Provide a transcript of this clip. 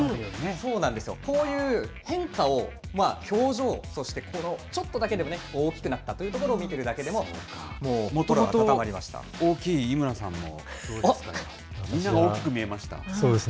そうなんですよ、こういう変化を表情として、ちょっとだけでも大きくなったというところを見てるだけでももともと大きい井村さんも、そうですね。